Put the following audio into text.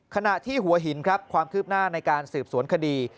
ขณะที่หัวหินครับความคืบหน้าในการสืบสวนคดี